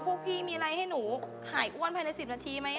พวกพี่มีอะไรให้หนูหายอ้วนภายใน๑๐นาทีไหม